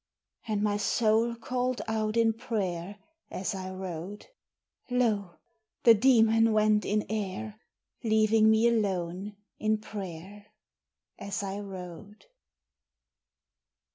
And my soul called out in prayer, As I rode, Lo! the demon went in air, Leaving me alone in prayer, As I rode.